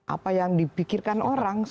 apa yang dipikirkan orang